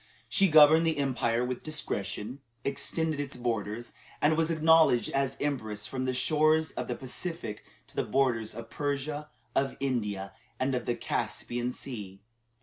She "governed the empire with discretion," extended its borders, and was acknowledged as empress from the shores of the Pacific to the borders of Persia, of India, and of the Caspian Sea.